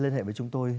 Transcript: liên hệ với chúng tôi